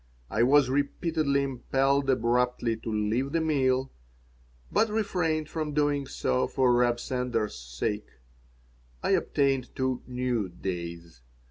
I was repeatedly impelled abruptly to leave the meal, but refrained from doing so for Reb Sender's sake. I obtained two new "days."